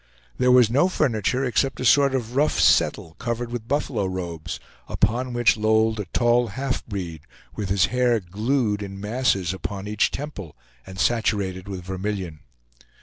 There was no furniture except a sort of rough settle covered with buffalo robes, upon which lolled a tall half breed, with his hair glued in masses upon each temple, and saturated with vermilion.